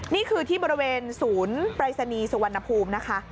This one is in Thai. นี่คือที่บริเวณศูนย์ปรายศนีย์สุวรรณภูมินะคะ